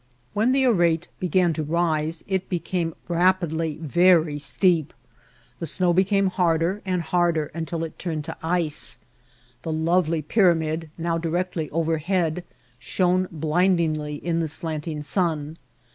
When the arete began to rise it became rapidly very steep. The snow became harder and harder until it turned to ice. The lovely pyramid, now directly overhead, shone blindingly in the slant ing sun.